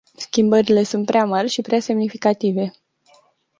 Schimbările sunt prea mari și prea semnificative.